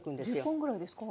１０本ぐらいですか？